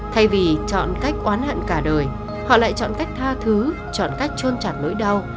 thay vì chọn cách oán hạn cả đời họ lại chọn cách tha thứ chọn cách trôn chặt nỗi đau